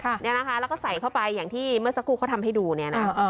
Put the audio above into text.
ค่ะเนี่ยนะคะแล้วก็ใส่เข้าไปอย่างที่เมื่อสักครู่เขาทำให้ดูเนี่ยน่ะอ่า